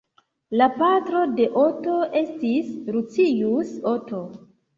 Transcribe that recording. La patro de Oto estis Lucius Oto.